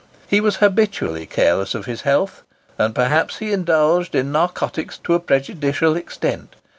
He was habitually careless of his health, and perhaps he indulged in narcotics to a prejudicial extent.